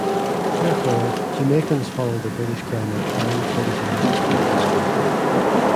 Therefore, Jamaicans follow the British grammar, and British English is taught in school.